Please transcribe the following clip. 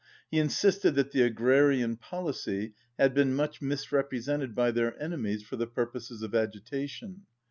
He insisted that the agrarian pol icy had been much misrepresented by their enemies for the purposes of agitation.